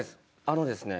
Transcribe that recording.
あのですね